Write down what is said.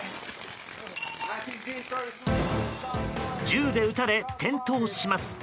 銃で撃たれ転倒します。